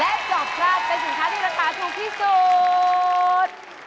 และจอบคราดเป็นสินค้าที่ราคาถูกที่สุด